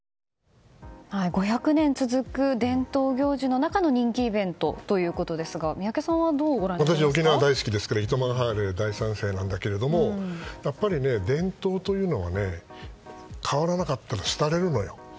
５００年続く伝統行事の中の人気イベントということですが私、沖縄大好きですから糸満ハーレー大賛成なんだけれどもやっぱり伝統というのは変わらなかったらすたれるのよ。